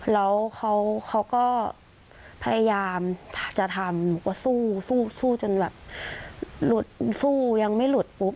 แล้วเขาก็พยายามจะทำหนูก็สู้สู้จนแบบหลุดสู้ยังไม่หลุดปุ๊บ